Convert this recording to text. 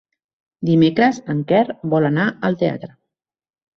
Dimecres en Quer vol anar al teatre.